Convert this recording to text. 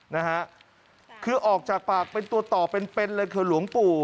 นะฮะคือออกจากปากเป็นตัวต่อเป็นเป็นเลยคือหลวงปู่